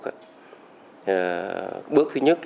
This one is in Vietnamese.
bước thứ nhất là đã thiết kế lại chương trình đào tạo